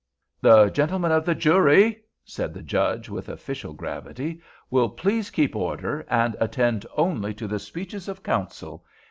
"The gentlemen of the jury," said the Judge, with official gravity, "will please keep order and attend only to the speeches of counsel.